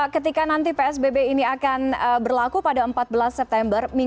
ketika nanti psbb ini akan berlaku pada empat belas september